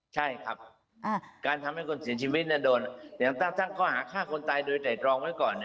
ใช่ครับการทำให้คนเสียชีวิตโดนอย่างตั้งข้อหาฆ่าคนตายโดยแต่ตรองไว้ก่อน